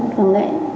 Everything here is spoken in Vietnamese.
người ta ní nãi